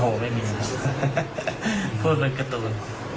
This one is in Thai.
อ้อโหไม่มีพูดเหมือนการ์ตูน